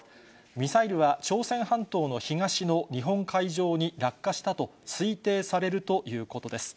ミサイルは朝鮮半島の東の日本海上に落下したと推定されるということです。